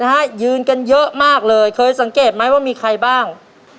นะฮะยืนกันเยอะมากเลยเคยสังเกตไหมว่ามีใครบ้าง